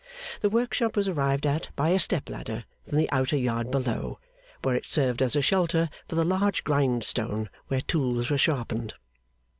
The workshop was arrived at by a step ladder from the outer yard below, where it served as a shelter for the large grindstone where tools were sharpened.